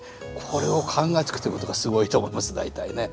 これを考えつくっていうことがすごいと思います大体ね。